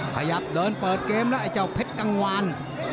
ขยับเดินเปิดเกมแล้วไอ้เจ้าเพชรกังวาน